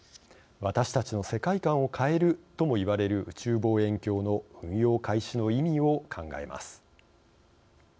私たちの世界観を変えるともいわれる宇宙望遠鏡の運用開始の意味を考えます。